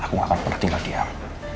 aku nggak akan pernah tinggal diam